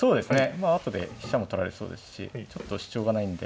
まあ後で飛車も取られそうですしちょっと主張がないんで。